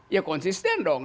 ya konsisten dong